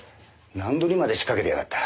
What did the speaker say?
納戸にまで仕掛けてやがった。